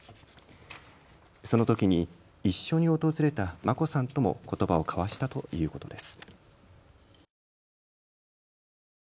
そのときに一緒に訪れた眞子さんともことばを交わしたということです。